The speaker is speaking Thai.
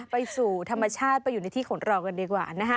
ไปสู่ธรรมชาติไปอยู่ในที่ของเรากันดีกว่านะคะ